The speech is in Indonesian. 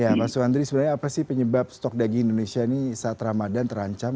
ya pak suandri sebenarnya apa sih penyebab stok daging indonesia saat ramadan terancam